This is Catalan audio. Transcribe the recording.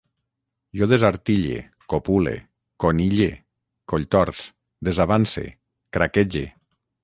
Jo desartille, copule, conille, colltorç, desavance, craquege